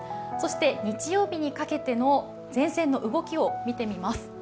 日曜日にかけての前線の動きを見てみます。